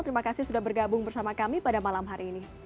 terima kasih sudah bergabung bersama kami pada malam hari ini